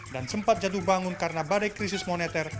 dan sempat jatuh bangun karena badai krisis moneter